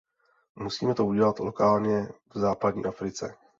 Musíme to udělat lokálně v západní Africe.